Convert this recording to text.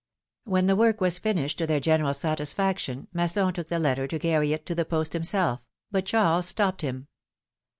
When the work was finished to their general satisfaction, Masson took the letter to carry it to the post himself, but Charles stopped him.